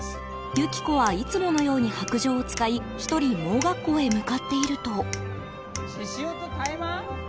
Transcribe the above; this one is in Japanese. ユキコはいつものように白杖を使い一人盲学校へ向かっていると獅子王とタイマン？